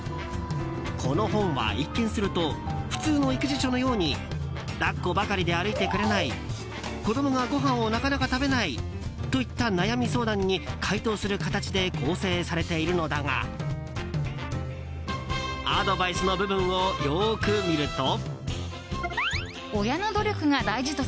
この本は一見すると普通の育児書のように抱っこばかりで歩いてくれない子供が、ごはんをなかなか食べないといった悩み相談に回答する形で構成されているのだがアドバイスの部分をよく見ると。